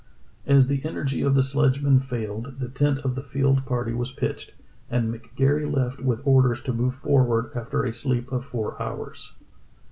As the energy of the sledgemen failed the tent of the held party was pitched, and McGary left with orders to move for ward after a sleep of four hours.